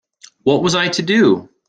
What was I to do?